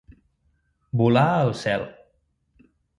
Volar al cel.